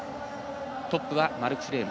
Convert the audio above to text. トップはマルクス・レーム